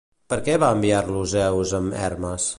Per què va enviar-lo Zeus amb Hermes?